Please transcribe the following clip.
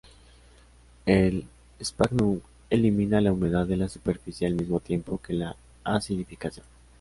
El sphagnum elimina la humedad de la superficie al mismo tiempo que la acidificación.